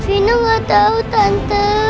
fina nggak tahu tante